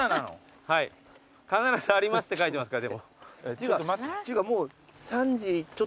でも「必ず有りマス！」って書いてますから。